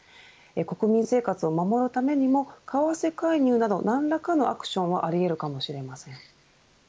国民生活を守るためにも為替介入など何らかのアクションはあり得るかもしれません。